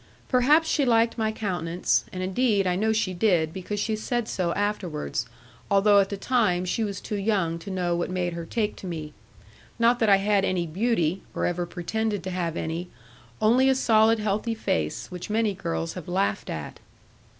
Perhaps she liked my countenance, and indeed I know she did, because she said so afterwards; although at the time she was too young to know what made her take to me. Not that I had any beauty, or ever pretended to have any, only a solid healthy face, which many girls have laughed at.